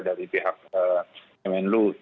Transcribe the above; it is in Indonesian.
dari pihak kemenlu